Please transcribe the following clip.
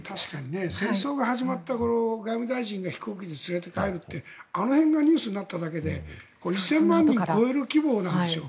戦争が始まった頃外務大臣が飛行機で連れて帰るってあの辺がニュースになっただけで１０００万人を超える規模なんですよ。